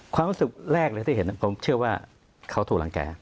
ความรู้สึกแรกเลยที่เห็นผมเชื่อว่าเขาถูกรังแก่